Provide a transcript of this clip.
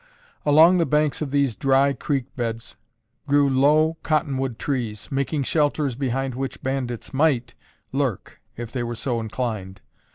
Along the banks of these dry creek beds grew low cottonwood trees, making shelters behind which bandits might lurk if they were so inclined.